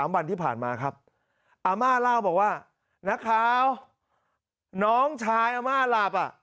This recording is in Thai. วันที่ผ่านมาครับอาม่าเล่าบอกว่านักข่าวน้องชายอาม่าหลับอ่ะ